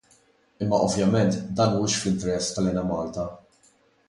Imma ovvjament dan mhuwiex fl-interess tal-Enemalta.